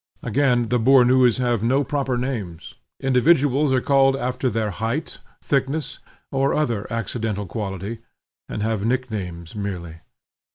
Again, the Bornoos have no proper names; individuals are called after their height, thickness, or other accidental quality, and have nicknames merely.